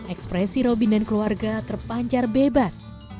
ekspresi robin dan keluarga terpancar bebas